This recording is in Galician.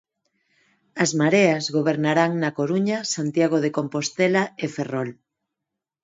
As Mareas gobernarán na Coruña, Santiago de Compostela e Ferrol.